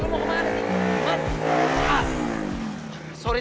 lo mau ke mana sih